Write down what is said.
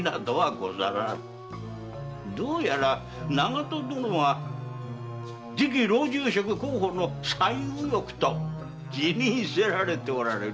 どうやら長門殿は次期老中職候補の最右翼と自認されておられるようじゃな。